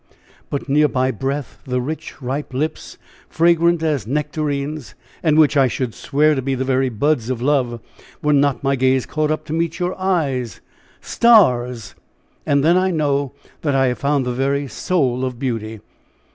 but near by breathe the rich, ripe lips, fragrant as nectarines; and which I should swear to be the very buds of love, were not my gaze caught up to meet your eyes stars! and then I know that I have found the very soul of beauty!